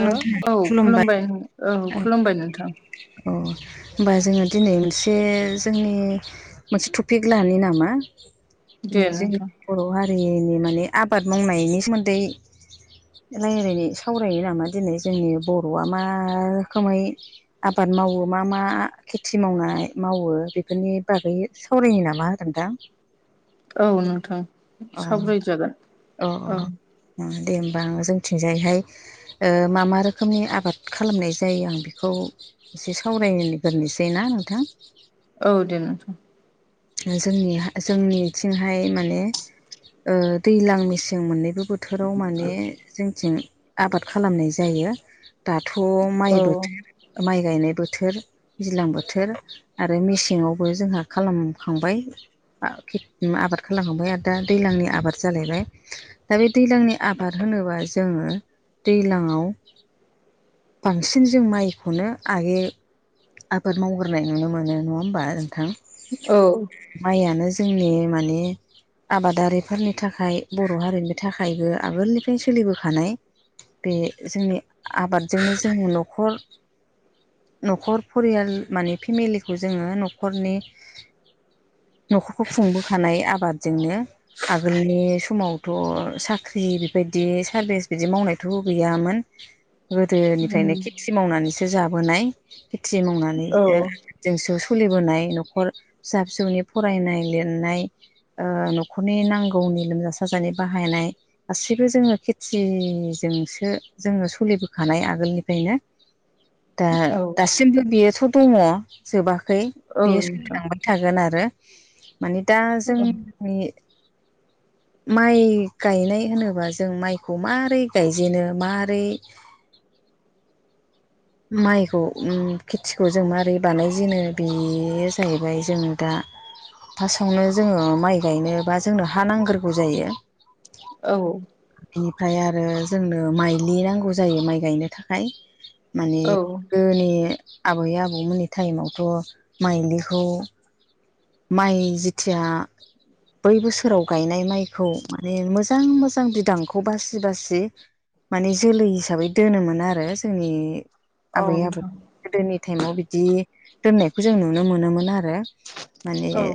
औ खुलुमबाय औ अ खुलुमबाय नोंथां होमबा जोङो दिनै एसे जोंनि मोनसे टपिक लानो नामा दे जों नोंथां बर' हारिनि माने आबाद मावनायनि सोमोन्दै रायज्लायनाय सावरायो नामा दिनै जोंनि बर'आ मा रोखोमै आबाद मावो मा मा खेथि मावनाय मावो बेफोरनि बागै सावरायो नामा नोंथां [inaudible] औ नोंथां अ सावरायजागोन अ औ दे होमबा जोंथिंजायहाय ओ मा मा रोखोमनि आबाद खालामनाय जायो आं बेखौ एसे सावरायगोरोसै ना नोंथां औ दे नोंथां जोंनि जोंनिथिंहाय माने ओ दैजलां मेसें मोननैबो बोथोर बोथोराव माने जोंथिं आबाद खालामनाय जायो दाथ औ माइ बोथोर माइ गायनाय बोथोर दैज्लां बोथोर आरो मेसेङावबो जोंहा खालामखांबाय आबाद खालामखांबाय आरो दा दैज्लांनि आबाद जालायबाय दा बे दैज्लांनि आबाद होनोबा जोङो दैज्लाङाव बांसिन जों माइखौनो आयो आबाद मावग्रोनाय नुनो मोनो नङा होमबा नोंथां औ माइयानो जोंनि माने आबादारिफोरनि थाखाय बर' हारिनि थाखाय खायबो आगोलनिफ्रायनो सोलिबोखानाय बे जोंनि आबादजोंनो जों न'खर न'खर फरियाल माने फेमिलिखौ जोङो न'खरनि न'खरखौ खुंबोखानाय आबाद जोंनो आगोलनि समावथ साख्रि बेबायदि सारभिस बिदि मावनाय थ गैयामोन उम गोदोनिफ्रायनो खेथि मावनानैसो जाबोनाय खेथि मावनानै औ जोंसो सोलिबोनाय न'खर फिसा फिसौनि फरायनाय लिरनाय न'खरनि नांगौनि लोमजा साजानि बाहायनाय गासिबो जोङो खेथि जोंसो जोङो सोलिबोखानाय आगोलनिफ्रायनो दा औ दासिमबो बेयोथ दङ जोबाखै औ बेयो नोंथां सोलिलांबाय थागोन आरो माने दा जों औ माइ गायनाय होनोबा जों माइखौ मारै गायजेनो मारै माइखौ खेथिखौ जों मारै बानायजेनो बेयो जाहैबाय जों दा फार्स्टआवनो जोङो माइ गायनोबा जोंनो हा नांग्रोगौ जायो औ बिनिफ्राय आरो जोंनो माइलि नांगौ जायो माइ गायनो थाखाय माने औ गोदोनि आबै आबौमोननि टाइमावथ माइलिखौ माइ जिथिया बै बोसोराव गायनाय माइखौ माने मोजां मोजां बिदांखौ बासि बासि माने जोलै हिसाबै दोनोमोन आरो जोंनि आबै आबौ नोंथां गोदोनि टाइमाव बिदि दोननायखौ जों नुनो मोनोमोन आरो माने औ नोंथां औ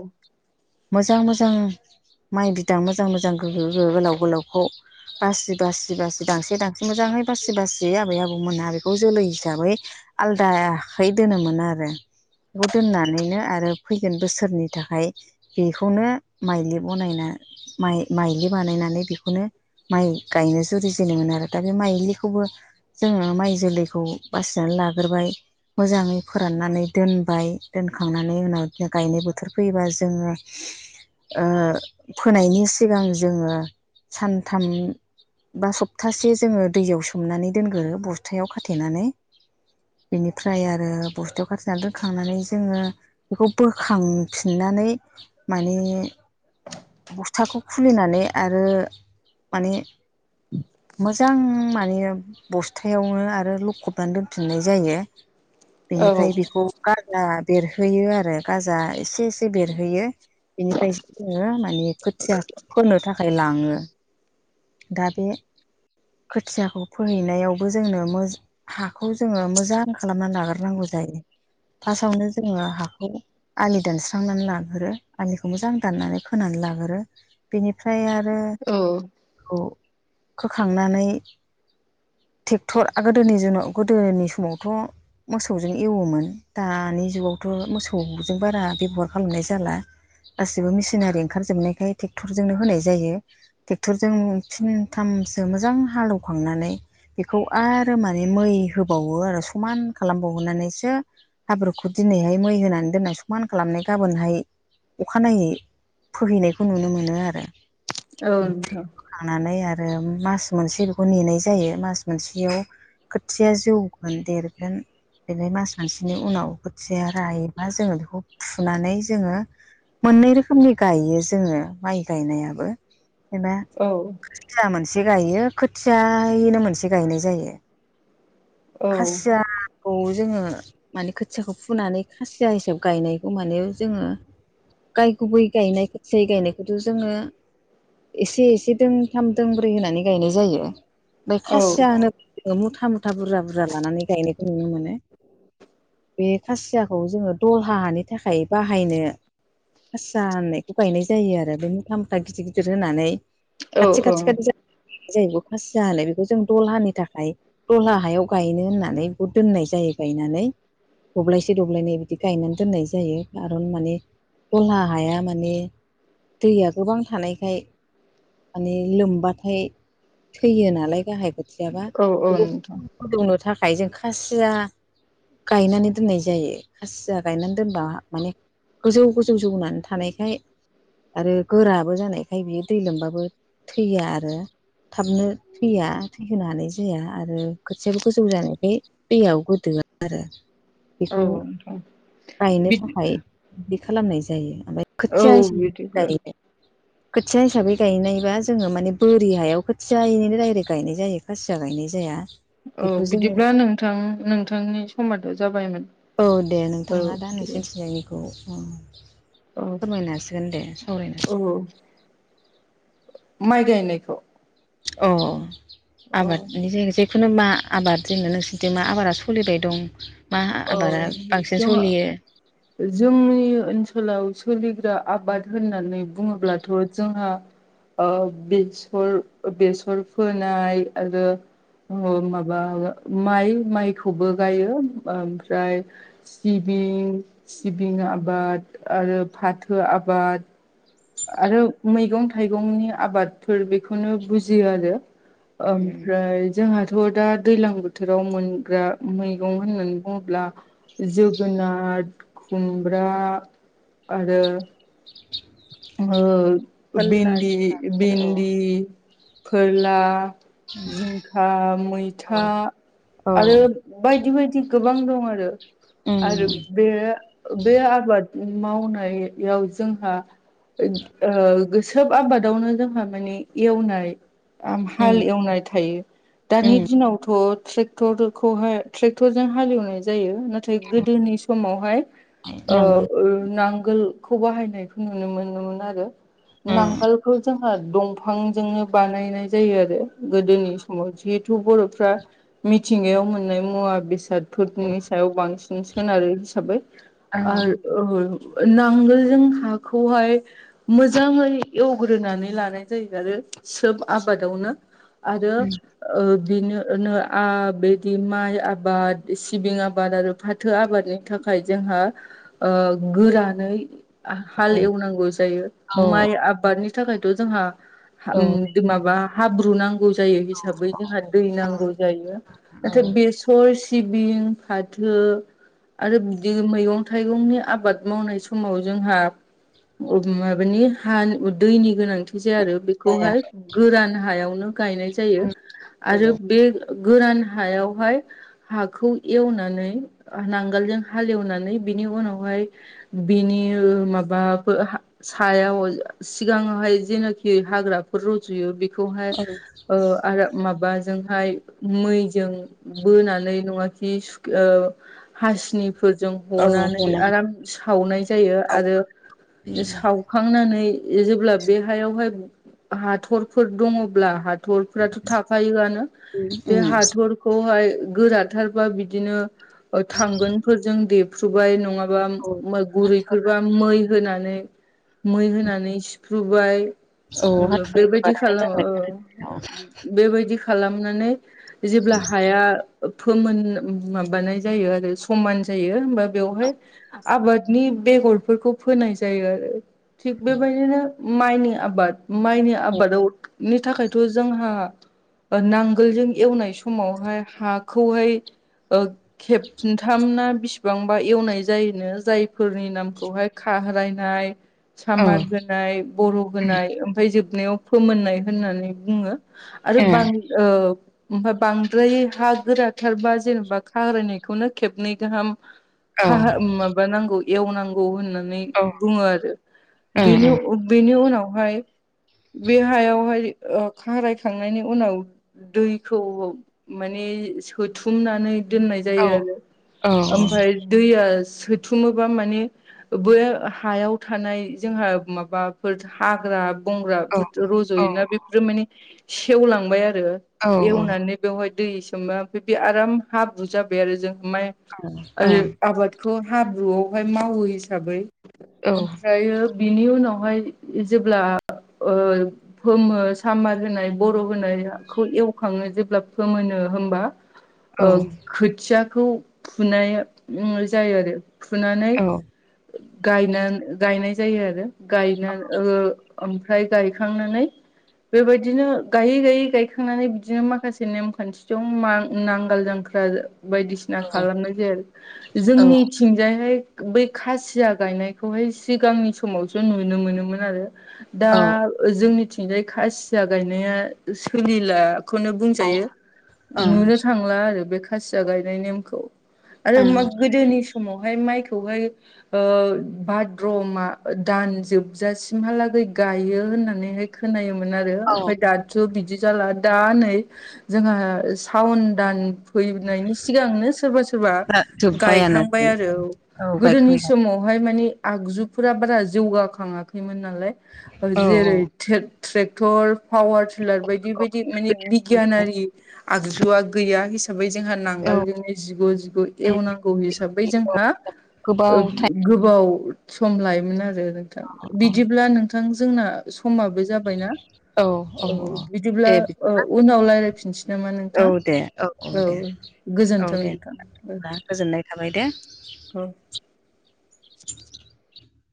मोजां मोजां माइ बिदां मोजां मोजां गो गो गोलाव गोलावखौ बासि बासि बासि दांसे दांस्रि मोजांङै बासि बासियै आबै आबौमोना बेखौ बेखौ जोलै हिसाबै आलदाखै दोनोमोन आरो बेखौ दोननानैनो आरो फैगोन बोसोरनि थाखाय बेखौनो माइलि बनायना माइलि बानायनानै बेखौनो माइ गायनो जुरिजेनोमोनो आरो दा बे माइलिखौबो जोङो माइ जोलैखौ बासिनानै लाग्रोबाय मोजाङै फोराननानै दोनबाय दोनखांनानै उनाव बिनो गायनाय बोथोर फैयोबा जोङो फोनायनि सिगां जोङो सानथाम बा सप्तासे जोङो दैयाव सोमनानै दोनग्रो बस्थायाव खाथेनानै बिनिफ्राय आरो बस्थायाव खाथिनानै दोनखांनानै जोङो बेखौ बोखांफिननानै माने बस्थाखौ खुलिनानै आरो माने मोजां माने बुस्था हथायावनो आरो लखबनानै दोनफिननाय जायो औ बेनिफ्राय बेखौ गाजा बेरहोयो आरो गाजा एसे एसे बेरहोयो। बेनिफ्राय जोङो माने खोथिया फोनो थाखाय लाङो। दा बे खोथियाखौ फोहैनायाव बबो जोंनो हाखौ जोङो मोजां खालामनानै लाग्रनांगौ जायो। फार्स्टआवनो जोङो हाखौ आलि दानस्रांनानै लाग्रो आलिखौ मोजां दाननानै फोनानै लागोरो। बेनिफ्राय आरो फोखांनानै ट्रेक्टर गोदोनि जनाव गोदोनि समावथ' मोसौजों एवोमोन दानि जुगावथ' मोसौजों बारा बेब'हार खालामनाय जाला। गाैबो मेसिनारि ओंखारजोबनायखाय ट्रेक्टरजोंनो होनाय जायो। ट्रेक्टरजों फिनथामसो मोजां हालेवखांनानै बेखौ आरो माने मै होबावो आरो समान खालामबावहोनानैसो हाब्रुखौ दिनैहाय मै होनानै दोननाय समान खालामनाय गाबोनहाय अखानायैै फोहैनायखौ नुनो मोनो आरो। औथ' खांनानै आरो मास मोनसे बेखौ नेनाय जायो मास मोनसेयाव खोथिया जौगोन देरगोन। बेफ्राय मास मोनानसेनि उनावखोथिया रायोबा जोङो बेखौ फुनानै जोङो मोननै रोखोमनि गायो जोङो माइ गायनायाबो बे औ खोथिया मोनसे गायो खोथियायैनो मोनसे गायनाय जायो। खासिया खौ जोङो माने खोथियाखौ फुनानै खासिया हिसाब गायनायखौ माने जोङो गाय गुबै गायनायफोरसै गायनायखौथ' जोङो एसे एसे दोंथाम दोंब्रै होनानै गायनाय जायो। ओमफ्राय खासिया औ होनोब्ला जोङो मुथा मुथा बुरजा बुरजा लानानै गायनायखौ नुनो मोनो। बे खासियाखौ जोङो दल ह हानि थाखाय बाहायनो हसा होननायखौ गायनाय जायो आरो बे मुथ्ला मुथ्ला गिदिर गिदिर होनानै। खाथि औ खाथि खाथि जायोबो खासि जालाय बे जों दलहानि थाखाय दलहा हायाव गायनो होननानै बे दोननाय जायो गायनानै। दब्लायसे दब्लायनै बिदि गायनानै दोननाय जायो खारन माने गहा हाया माने दैया गोबां थानायखाय माने लोमबाथाय थैयो नालाय गाहाय बोथोराबा औ बेखौ नोंथां फुदौनो थाखाय जों खासिया गायनानै दोननाय जायो खासिया गायनानै दोनबा माने गोजौ गोजौ जौानै थानायखाय आरो गोराबो जानायखाय बियो दै लोमबाबो थैया आरो थाबनो थैया थैहोनो हानाय जाया आरो खोथियाबो गोजौ जानायखाय दैयाव गोदोयो आरो। औ औ औ गायनो थाखाय बिदि खालामनाय जायो ओमफ्राय औ खोथिया हिसाबै बिदिब्ला जायो। खोथिया हिसाबै गायनायबा जोङो माने बोर हायाव खोथियायैनो राय मै गायनाय जायो खासिया गायनाय जाया। औ बेखौ जोङो बिदिब्ला नोंथां नोंथांनि समादो जाबायमोन। औ दे औ नोंथाङा दा [unintelligible] बिदिब्ला औ औ फोरमायनाांसिगोन दे सावराय औ माइ गायनायखौ अ अ औ आबादनि जाय जाय बेखुनु मा आबाद दोननो नोंसोरदि मा आबादा सोलिबाय दं? मा आबादा औ बांसिन जोंहा सलियो। जोंनि ओनसोलाव सोलिग्रा आबाद होननानै बुङोब्लाथ' जोंहा ओ बेसर बेसर फोनाय आरो माबा माइ माइखौबो गायो ओमफ्राय सिबिं सिबिं आबाद आरो फाथो आबाद आरो मैगं थाइगंनि आबादफोर बेखौनो बुजियो आरो। उम ओमफ्राय जोंहाथ' दा दैज्लां बोथोराव मोनग्रा मैगं होननानै बुङोब्ला जोगोनार खुमब्रा आरो आ फोरला भिन्दि जिंखाफोर भिन्दि फोरला जिंखा औ मैथा औ आरो बायदि बायदि गोबां दं आरो उम आरो बे बे आबाद मावनायाव जोंहा ओ गोसोब आबादावनो जोंहा माने एवनाय आं उम हाल एवनाय थायो दानि उम दिनावथ' ट्रे ट्रेक्टर खौहाय ट्रेक्टरजों हालेवनाय जायो। नाथाय गोदोनि समावहाय ओ नांगोल ओ नांगोलखौ बाहायनाय नुनो मोनदोंमोन आरो उम नांगोल बे खौ जोंहा दंफांजोंनो बानायनाय जायो आरो गोदोनि समाव जिहेथु बर'फ्रा मिथिंगायाव मोननाय मुवा बेसाद फोरनि सायाव बांसिन सोन आरो हिसाबै औ आरो औ नांगोलजों हाखौहाय मोजाङै एवग्रोनानै लानाय जायो आरो सोब आबादावनो आरो उम ओ बिनिनो आ बिदि माइ आबाद सिबिं आबाद आरो फाथ फाथो आबादनि थाखाय जोंहा ओ गोरानै हाल एवनांगौ जायो औ माइ आबादनि थाखायथ' जोंहा औ माबा हाब्रु नांगौ जायो हिसाबै जोंहा दै नांगौ जायो नाथाय औ बे थर सिबिं फाथो आरो बिदि मैगं थाइगंनि आबाद मावनाय समाव जोंहा माबानि हानि दैनि गोनांथि जाया आरो जाया बेखौहाय गोरान हायावनो गायनाय जायो उम आरो औ बे गोरान हायावहाय हाखौ एवनानै नांगोलजों हालेवनानै बिनि उनावहाय बिनि माब मा सायाव सिगाङावहाय जेनाखि हाग्राफोर रज'यो बेखौहाय ओ आरो माबाजोंहाय मैजों बोनानै नङाखि ओ हासिनिफोरजों औ हनानै गोनां आराम सावनाय जायो औ आरो उम सावखांनानै जेब्ला बे हायावहाय हाथरफोर दङब्ला हाथरफ्राथ' थाखायोआनो बे उम हाथरखौहाय गोराथारबा बिदिनो थांगोनफोरजों देफ्र्रुबाय नङाबा औ गुरैफोरबा मै होनानै मै होनानै सिफ्रुबाय औ हाथुरि बेबायदि होबाथाय खालामो जाबाय औ औ बेबायदि खालामनानै जेब्ला हाया फोमोनो माबानाय जायो आरो समान जायो होमबा बेवहाय आबादनि बेगरफोरखौ फोनाय जायो आरो थिग बेबायदिनो माइनि आबाद माइनि औ आबादाव नि थाखायथ' जोंहा ओ नांगोलजों एवनाय समावहाय हाखौहाय ओ खेबथाम ना बिसिबांबा एवनाय जायोनो जायफोरनि नामखौहाय खारायनाय औ सामार जोनाय बर' होनाय ओमफ्राय जोबनायाव फोमोननाय होननानै बुङो आरो बां औ ओमफ्राय बांद्राय हा गोराथारबा जेनेबा खाग्रायनायखौनो खेबनै गाहाम औ खाहा माबानांगौ एवनांगौ होननानै उम बुङो आरो बेनि उम अ बेनि उनावहाय बे हायावहाय ओ खारायखांनायनि उनाव दैखौ माने सोथुमनानै दोननाय औ जायो आरो औ औ ओमफ्राय दैया सोथुमोबा माने बे हायाव थानाय जोंहा माबाफोर हाग्रा बंग्रा औ रज'योना बेफोरो माने सेवलांबाय आरो एवनानै बेवहाय दै सोमोबा ओमफ्राय बे आराम हाब्रु जाबाय आरो जों माइ ओ आबादखौ हाब्रुआवहाय मावो हिसाबै ओमफ्रायो बिनि उनावहाय जेब्ला ओ फोमो सामार होनाय बर' होनाया खौ एवखाङो जेब्ला फोमोनो होमबा ओ खोथियाखौ फुनाय उम जायो आरो फुनानै औ गायनानै गायनाय जायो आरो गायना ओ ओमफ्राय गायखांनानै बेबायदिनो गायै गायै गायखांनानै बिदिनो माखासे नेमखान्थि दं मा नांगाल जांख्रा बायदिसि ना खालामनाय जायो औ जोंनिथिंजायहाय बै खासि या गायनायखौहाय सिगांनि समावसो नुनो मोनोमोन आरो दा ओं जोंनिथिंजाय खासिया गायनाया सोलिला खौनो बुंजायो ओं नुनो थांला आरो बे खासिया गायनाय नेमखौ आरो गोदोनि समावहाय माइखौहाय ओ भाद्रमा दान जोबजासिमहालागै गायो होननानैहाय खोनायोमोन आरो औ ओमफ्राय दा थ' बिदि जाला दा नै जोंहा सावन दान फैनायनि सिगांनो सोरबा सोरबा दा जोब्बायानो गायखांबाय आरो औ गोदोनि गायखांबाय समावहाय माने आगजुफोरा बारा जौगाखाङाखैमोन नालाय औ जेरै ट्रे ट्रेक्टर पावार टिलार बायदि बायदि माने बिगियानारि आगजुआ गैया हिसाबै जोंहा औ नांगोलजोंनि जिग' जिग उम एवनांगौ हिसाबै औ जोंहा ओ गोबाव टाइम गोबाव सम लायोमोन आरो नोंथां बिदिब्ला नों थां जोंना समाबो जाबायना औ बिदिब्ला औ उनाव रायलायफिनसै नामा औ नोंथां दे औ दे औ गोजोन्थों दे नोंथां औ बिदिब्ला गोजोननाय थाबाय दे औ [inaudible]